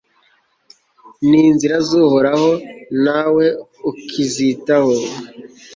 n'inzira z'uhoraho nta we ukizitaho